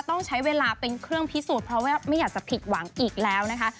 ต้องใช้เวลาเป็นเครื่องพิสูจน์เพราะว่าไม่อยากจะผิดหวังอีกแล้วนะคะ